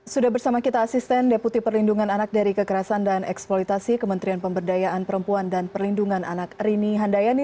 sudah bersama kita asisten deputi perlindungan anak dari kekerasan dan eksploitasi kementerian pemberdayaan perempuan dan perlindungan anak rini handayani